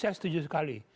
saya setuju sekali